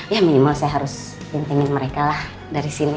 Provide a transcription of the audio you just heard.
ya minimal saya harus bintangin mereka lah dari sini